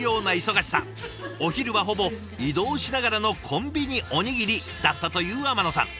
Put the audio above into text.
お昼はほぼ移動しながらのコンビニおにぎりだったという天野さん。